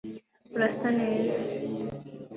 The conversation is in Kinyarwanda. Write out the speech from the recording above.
urasa neza